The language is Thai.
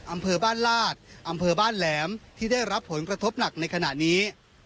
อำเภอบ้านลาดอำเภอบ้านแหลมที่ได้รับผลกระทบหนักในขณะนี้